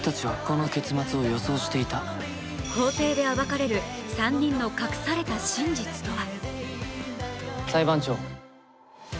法廷で暴かれる３人の隠された真実とは？